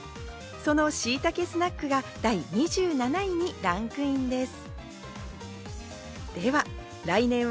そのシイタケスナクが第２７位にランクインです。